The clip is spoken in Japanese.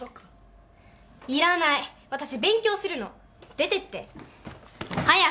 出ていって。早く。